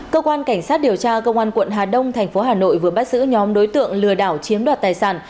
cơ quan cảnh sát điều tra công an quận hà đông thành phố hà nội vừa bắt giữ nhóm đối tượng lừa đảo chiếm đoạt tài sản